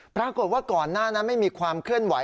ปรากฏว่าก่อนหน้านั้นไม่มีความเคลื่อนไหว